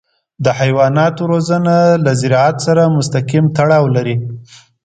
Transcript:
د حیواناتو روزنه له زراعت سره مستقیم تړاو لري.